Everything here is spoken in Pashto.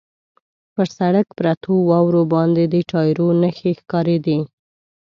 پر سړک پرتو واورو باندې د ټایرو نښې ښکارېدې.